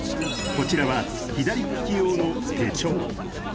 こちらは、左利き用の手帳。